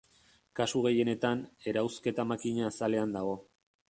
Kasu gehienetan, erauzketa makina azalean dago.